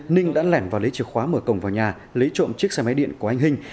ninh đã lẻn vào lấy chìa khóa mở cổng vào nhà lấy trộm chiếc xe máy điện của anh hình